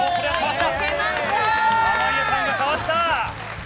濱家さんがかわした。